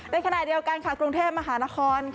ขณะเดียวกันค่ะกรุงเทพมหานคร